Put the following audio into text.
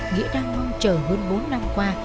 nghĩa đang mong chờ hơn bốn năm qua